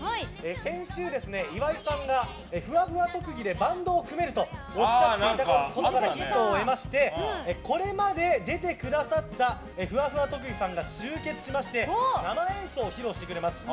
先週、岩井さんがふわふわ特技でバンドを組めるとおっしゃっていたことにヒントを得ましてこれまで出てくださったふわふわ特技さんが集結しまして生演奏を披露してくれます。